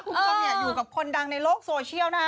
คุณผู้ชมอยู่กับคนดังในโลกโซเชียลนะฮะ